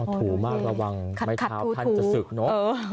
ถูมากระวังไม้เท้าท่านจะศึกเนอะ